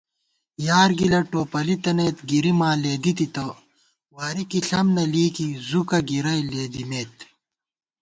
یار گِلہ ٹوپَلِی تنَئیت گِری ماں لېدِی تِتہ * واری کی ݪم نہ لېئیکی زُکہ گِرَئی لېدِمېت